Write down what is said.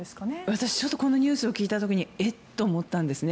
私このニュースを聞いた時にえ？と思ったんですよね。